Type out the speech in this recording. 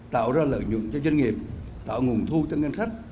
tạo ra lợi nhuận cho doanh nghiệp tạo nguồn thu cho ngân sách